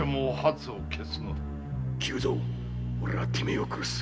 久蔵俺はてめえを殺す